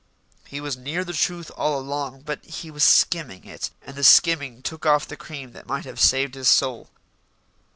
He was near the truth all along, but he was skimming it, and the skimming took off the cream that might have saved his soul.